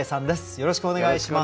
よろしくお願いします。